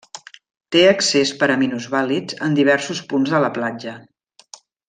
Té accés per a minusvàlids en diversos punts de la platja.